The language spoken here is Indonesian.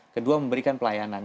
kedua memberikan pelayanan